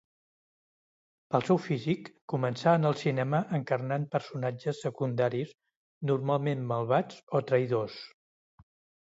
Pel seu físic, començà en el cinema encarnant personatges secundaris normalment malvats o traïdors.